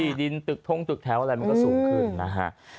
ดินตึกทงตึกแถวอะไรมันก็สูงขึ้นนะฮะ